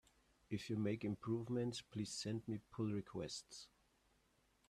If you make improvements, please send me pull requests!